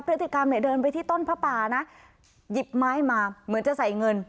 พฤติกรรมเนี่ยเดินไปที่ต้นผ้าป่านะหยิบไม้มาเหมือนจะใส่เงิน